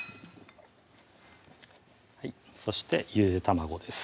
そしてゆで卵です